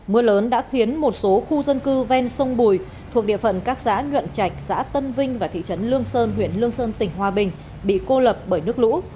mưa lớn đã khiến một số khu dân cư ven sông bùi thuộc địa phận các xã nhuận trạch xã tân vinh và thị trấn lương sơn huyện lương sơn tỉnh hòa bình bị cô lập bởi nước lũ